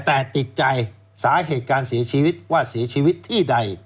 แต่ติดใจสาเหตุการเสียชีวิตว่าเสียชีวิตที่ใด